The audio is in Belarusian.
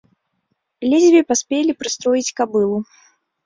Ледзьве паспелі прыстроіць кабылу.